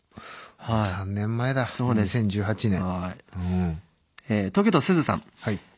３年前だ２０１８年。